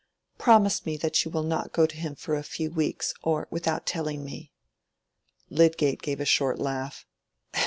"Promise me that you will not go to him for a few weeks, or without telling me." Lydgate gave a short laugh.